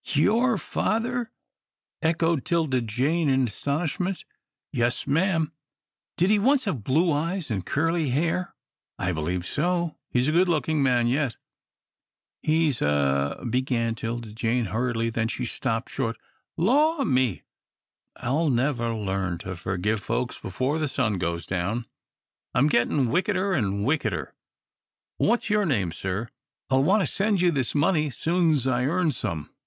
"Your father!" echoed 'Tilda Jane, in astonishment. "Yes, ma'am." "Did he once have blue eyes an' curly hair?" "I believe so. He's a good looking man yet." "He's a " began 'Tilda Jane, hurriedly, then she stopped short. "Law me I'll never learn to forgive folks before the sun goes down; I'm gettin' wickeder an' wickeder. What's your name, sir? I'll want to send you this money soon's I earn some."